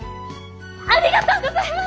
ありがとうございます！